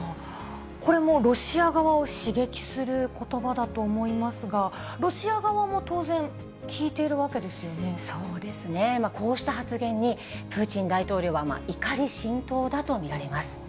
これもロシア側を刺激することばだと思いますが、ロシア側もそうですね、こうした発言に、プーチン大統領は怒り心頭だと見られます。